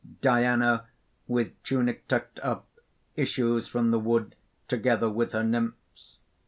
_ _Diana, with tunic tucked up, issues from the wood together with her nymphs.